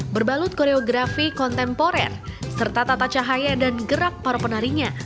berbalut koreografi kontemporer serta tata cahaya dan gerak para penarinya